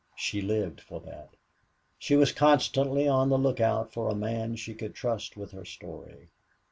She lived for that. She was constantly on the lookout for a man she could trust with her story.